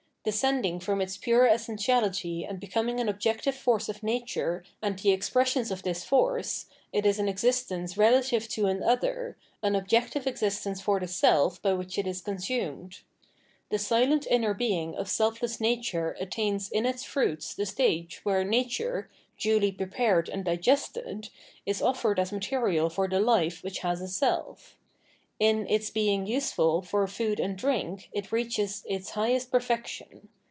Descending from its pure essentiality and becoming an objective force of nature and the expressions of this force, it is an existence relative to an other, an objective existence for the self by which it is consumed. The silent inner being of selfless nature attains in its fruits the stage where nature, duly prepared and digested, is offered as material for the life which has a self. In * The " Light " of the world. 733 The Living Worh of Art its being useful for food and drink it reacbes its highest perfection.